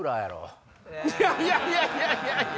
いやいやいやいや！